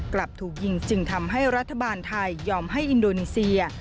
กลับถูกยิงจึงทำให้รัฐบาลไทยยอมให้อินโดนีเซีย